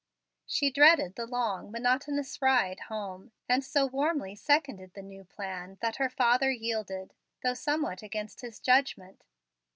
She dreaded the long, monotonous ride home, and so warmly seconded the new plan that her father yielded, though somewhat against his judgment.